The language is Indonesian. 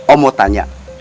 om mau tanya